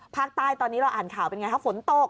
ภาคใต้ตอนนี้เราอ่านข่าวเป็นไงคะฝนตก